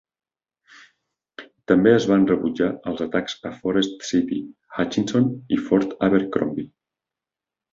També es van rebutjar els atacs a Forest City, Hutchinson i Fort Abercrombie.